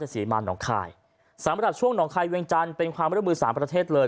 สำหรับช่วงหนองคลายเวียงจันทร์เป็นความร่วมมือ๓ประเทศเลย